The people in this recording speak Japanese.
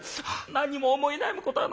「何も思い悩むことはないよ。